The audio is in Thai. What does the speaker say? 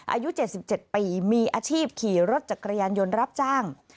อายุ๗๗ปีมีอาชีพขี่รถจักรยานยนต์รับจ้าง